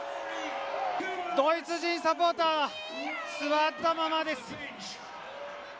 ドイツ人サポーター座ったままです。